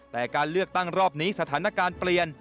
แต่การเลือกตั้งรอบนี้สถานการณ์เปลี่ยน